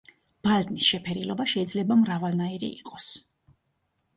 ბალნის შეფერილობა შეიძლება მრავალნაირი იყოს.